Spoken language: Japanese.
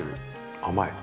甘い！